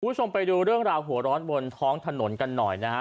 คุณผู้ชมไปดูเรื่องราวหัวร้อนบนท้องถนนกันหน่อยนะฮะ